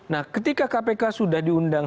nah ketika kpk sudah diundang